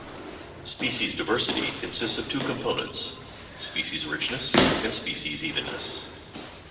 Species diversity consists of two components: species richness and species evenness.